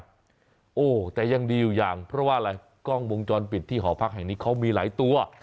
โอ้โหแต่ยังดีอยู่อย่างเพราะว่าอะไรกล้องวงจรปิดที่หอพักแห่งนี้เขามีหลายตัว